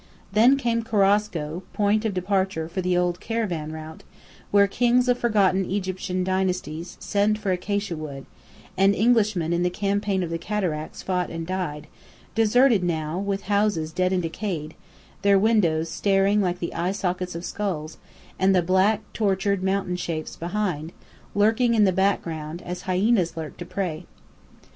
Then came Korosko, point of departure for the old caravan route, where kings of forgotten Egyptian dynasties sent for acacia wood, and Englishmen in the Campaign of the Cataracts fought and died; deserted now, with houses dead and decayed, their windows staring like the eye sockets of skulls; and the black, tortured mountain shapes behind, lurking in the background as hyenas lurk to prey.